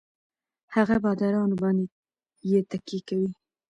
هـغـه بـادارنـو بـانـدې يـې تکيـه کـوي.